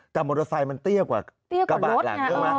แต่มอเตอรอไซต์มันเตี้ยกว่ารึเปล่า